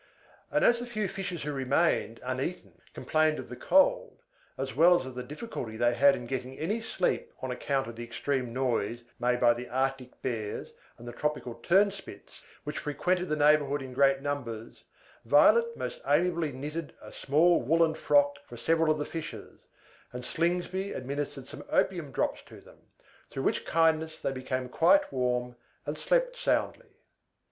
And as the few fishes who remained uneaten complained of the cold, as well as of the difficulty they had in getting any sleep on account of the extreme noise made by the arctic bears and the tropical turnspits, which frequented the neighborhood in great numbers, Violet most amiably knitted a small woollen frock for several of the fishes, and Slingsby administered some opium drops to them; through which kindness they became quite warm, and slept soundly.